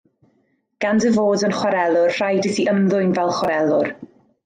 Gan dy fod yn chwarelwr rhaid i ti ymddwyn fel chwarelwr.